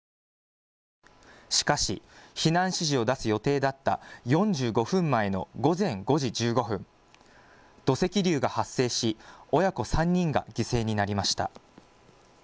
しかし避難指示を出す予定だった４５分前の午前５時１５分、土石流が発生し親子３人が犠牲になりました。